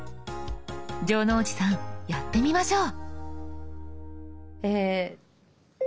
城之内さんやってみましょう。